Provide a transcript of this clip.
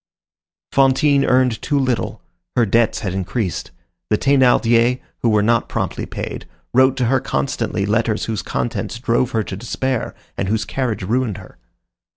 Fantine earned too little. Her debts had increased. The Thénardiers, who were not promptly paid, wrote to her constantly letters whose contents drove her to despair, and whose carriage ruined her.